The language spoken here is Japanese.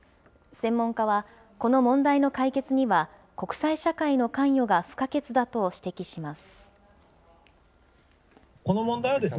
専門家は、この問題の解決には、国際社会の関与が不可欠だと指摘します。